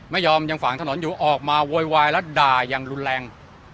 ไม่ยอมยังฝางถนนอยู่ออกมาโวยวายแล้วด่ายังรุนแรง